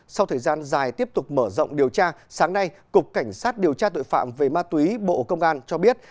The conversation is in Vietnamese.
sau thời gian dài tiếp tục mở rộng điều tra sáng nay cục cảnh sát điều tra tội phạm về ma túy bộ công an cho biết